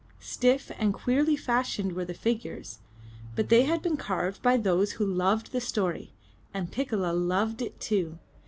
Stiff and queerly fashioned were the figures, but they had been carved by those who loved the story, and Piccola loved it too.